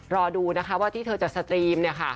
รอดูนะคะว่าที่เธอจะสตรีมเนี่ยค่ะ